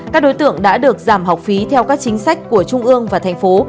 các đối tượng đã được giảm học phí theo các chính sách của trung ương và thành phố